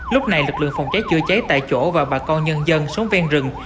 lúc này lực lượng phòng cháy chữa cháy tại chỗ và bà con nhân dân sống ven rừng